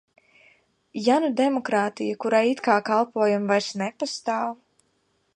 Ja nu demokrātija, kurai it kā kalpojam, vairs nepastāv?